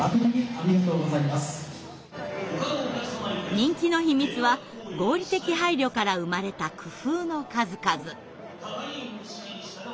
人気の秘密は合理的配慮から生まれた工夫の数々。